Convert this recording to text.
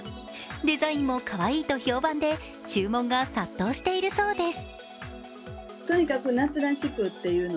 デザインもかわいいと評判で注文が殺到しているそうです。